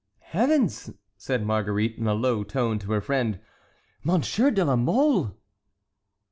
"Heavens!" said Marguerite, in a low tone, to her friend, "Monsieur de la Mole!"